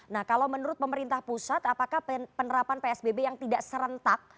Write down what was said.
nah kalau menurut pemerintah pusat apakah penerapan psbb yang tidak serentak